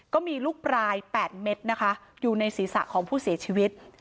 ก็มีลูกปลาย๘เม็ดนะคะอยู่ในศีรษะของผู้เสียชีวิต